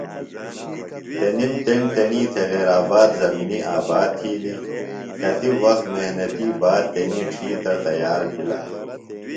تنِم تݨ تیݨی تھےۡ غیر آباد زمِنی آباد تِھیلیۡ۔ کتیۡ وخت محنتیۡ باد تنی ڇِھیترہ تیار بِھلہ۔